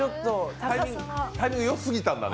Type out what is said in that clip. タイミング、よすぎたんだね。